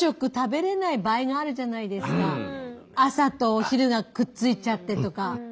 朝とお昼がくっついちゃってとか。